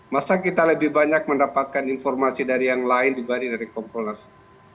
masa kita lebih banyak mendapatkan informasi dari yang lain dibanding dari kompolnas